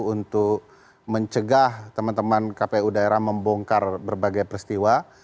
untuk mencegah teman teman kpu daerah membongkar berbagai peristiwa